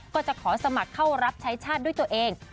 ก็จะขอสมัครเข้ารับใช้ชาติด้วยตัวเอง